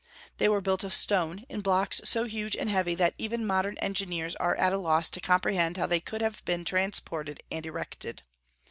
They were built of stone, in blocks so huge and heavy that even modern engineers are at loss to comprehend how they could have been transported and erected.